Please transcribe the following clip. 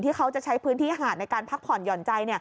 เขาจะใช้พื้นที่หาดในการพักผ่อนหย่อนใจ